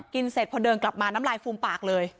เสร็จพอเดินกลับมาน้ำลายฟูมปากเลย